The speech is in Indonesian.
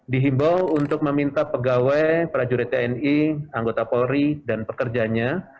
dihimbau untuk meminta pegawai prajurit tni anggota polri dan pekerjanya